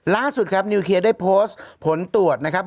ล่าสุดครับนิวเคลียร์ได้โพสต์ผลตรวจนะครับ